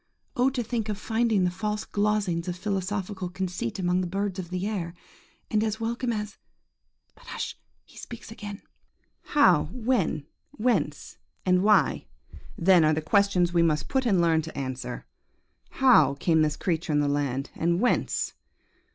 Oh! to think of finding the false glozings of philosophical conceit among the birds of the air, and as welcome as ... but hush! he speaks again. "How, when, whence, and why, then, are the questions we must put and learn to answer. How came this creature in the land, and whence?